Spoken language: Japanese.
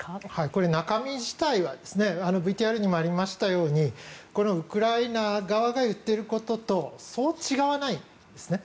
これ、中身自体はＶＴＲにもありましたようにウクライナ側が言っていることとそう違わないんですね。